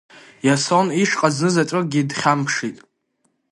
Иасон ишҟа знызаҵәыкгьы дхьамԥшит.